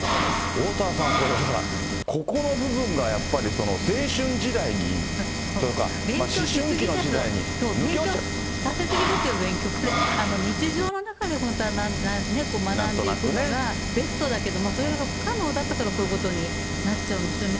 おおたわさん、これだから、ここの部分がやっぱりその青春時代にというか、勉強、これ、日常の中で、これ学んでいくのがベストだけど、それが不可能だったからこういうことになっちゃうんですよね。